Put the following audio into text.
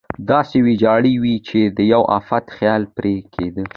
داسې ویجاړې وې چې د یوه افت خیال پرې کېده.